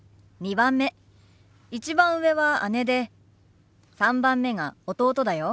１番上は姉で３番目が弟だよ。